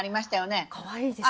かわいいですね。